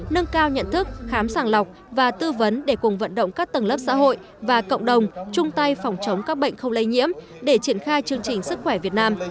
nâng cao nhận thức khám sàng lọc và tư vấn để cùng vận động các tầng lớp xã hội và cộng đồng chung tay phòng chống các bệnh không lây nhiễm để triển khai chương trình sức khỏe việt nam